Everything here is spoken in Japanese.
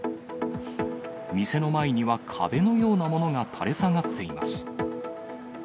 店の前には壁のようなものが垂れ下がっています。